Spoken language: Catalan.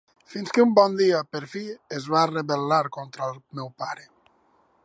Fins que un bon dia, per fi, es va rebel·lar contra el meu pare.